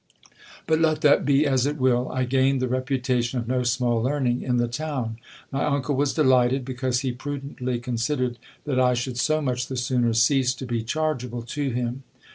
But let that be as it will, I gained the reputation of no small learning in the town. My uncle was delighted, because he prudently considered that I should so much the sooner cease to be chargeable to him.